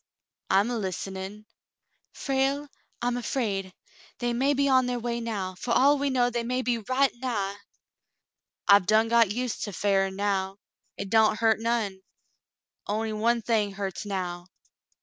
"I'm a hstenin'." "Frale, I'm afraid. They may be on their way now. For all we know they may be right nigh." "I've done got used to fearin' now. Hit don't hurt none. On'y one thing hurts now."